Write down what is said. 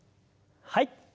はい。